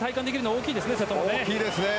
大きいですね。